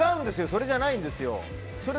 それじゃないんですよ。